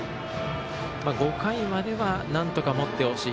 ５回まではなんとか、もってほしい。